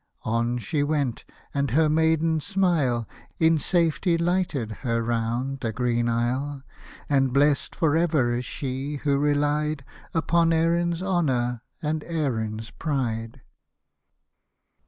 " On she went, and her maiden smile In safety lighted her round the Green Isle ; And blest for ever is she who relied Upon Erin's honour, and Erin's pride.